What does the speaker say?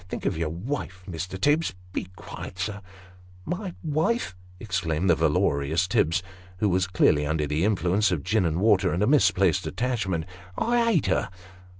Think of your wife, Mr. Tibbs. Be quiet, sir !"" My wife !" exclaimed the valorous Tibbs, who was clearly under the influence of gin and water, and a misplaced attachment ;" I ate her